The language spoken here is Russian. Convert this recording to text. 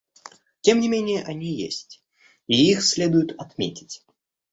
Тем не менее они есть, и их следует отметить.